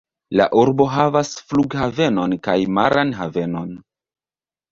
La urbo havas flughavenon kaj maran havenon.